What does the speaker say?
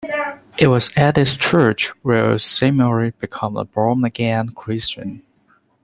It was at this church where Seymour became a born-again Christian.